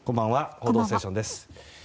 「報道ステーション」です。